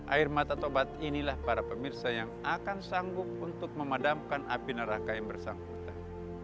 air mata taubat inilah para pemirsa yang akan sanggup untuk memadamkan api neraka yang bersangkutan